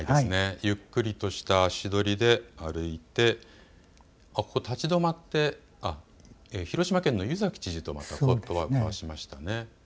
ゆっくりとした足取りで歩いて立ち止まって広島県の湯崎知事とことばを交わしましたね。